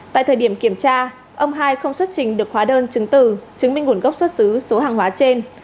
tại thời điểm kiểm tra ông hai không xuất trình được hóa đơn chứng từ chứng minh nguồn gốc xuất xứ số hàng hóa trên